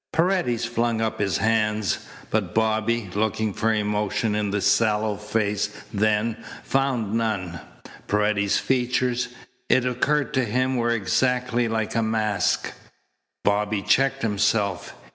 Paredes flung up his hands, but Bobby, looking for emotion in the sallow face then, found none. Paredes's features, it occurred to him, were exactly like a mask. Bobby checked himself.